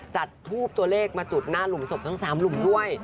ทูบตัวเลขมาจุดหน้าหลุมศพทั้ง๓หลุมด้วย